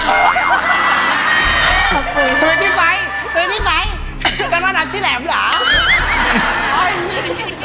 ก็รอรับชิ้นแหลมเหรอ